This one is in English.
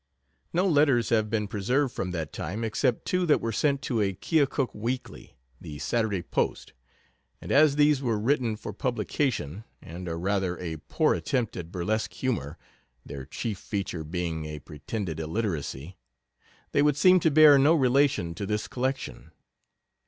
No letters have been preserved from that time, except two that were sent to a Keokuk weekly, the Saturday Post, and as these were written for publication, and are rather a poor attempt at burlesque humor their chief feature being a pretended illiteracy they would seem to bear no relation to this collection.